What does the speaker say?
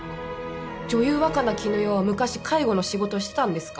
女優若菜絹代は昔介護の仕事をしてたんですか？